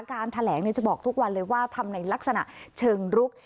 การแถลงจะบอกทุกวันเลยว่าทำในลักษณะเชิงรุก